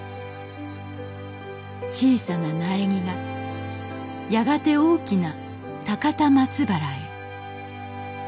小さな苗木がやがて大きな高田松原へ。